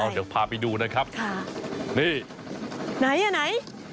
เดี๋ยวพาไปดูนะครับค่ะนี่ไหนอ่ะไหน